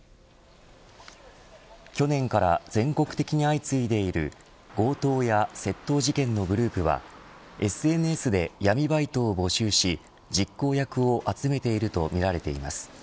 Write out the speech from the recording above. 去年から全国的に相次いでいる強盗や窃盗事件のグループはＳＮＳで闇バイトを募集し実行役を集めているとみられています。